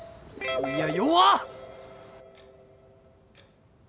いや弱っ！